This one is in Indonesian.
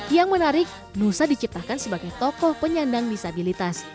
yang menarik nusa diciptakan sebagai tokoh penyandang disabilitas